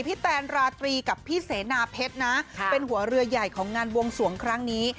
แตนราตรีกับพี่เสนาเพชรนะเป็นหัวเรือใหญ่ของงานบวงสวงครั้งนี้